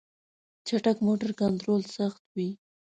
چټک موټر کنټرول سخت وي.